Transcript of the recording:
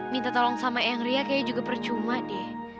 minta tolong sama yang ria kayaknya juga percuma deh